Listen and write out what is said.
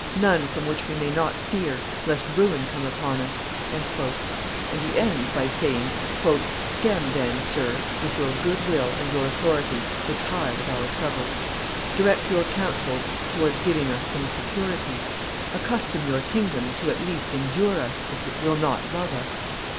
None from which we may not fear lest ruin come upon us!" And he ends by saying, "Stem, then, sir, with your good will and your authority, the tide of our troubles. Direct your counsels towards giving us some security. Accustom your kingdom to at least endure us, if it will not love us.